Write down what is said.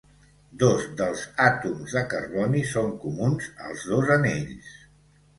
Dos dels àtoms de carboni són comuns als dos anells.